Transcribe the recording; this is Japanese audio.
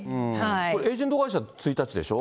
エージェント会社、１日でしょ？